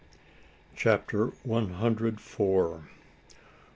CHAPTER ONE HUNDRED FOUR.